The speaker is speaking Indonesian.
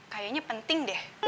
kayaknya penting deh